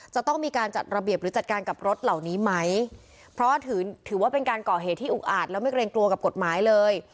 จะต้องมีการจัดระเบียบหรือจัดการกับรถเหล่านี้ไหมเพราะถือถือว่าเป็นการก่อเหตุที่อุกอาจแล้วไม่เกรงกลัวกับกฎหมายเลย